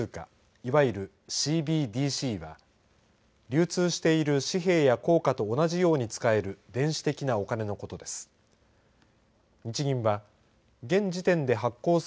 いわゆるＣＢＤＣは流通している紙幣や硬貨と同じように使える電子的なお金のことです。